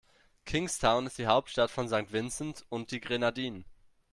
Kingstown ist die Hauptstadt von St. Vincent und die Grenadinen.